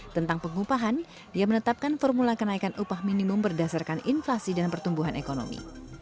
tentang pengupahan dia menetapkan formula kenaikan upah minimum berdasarkan inflasi dan pertumbuhan ekonomi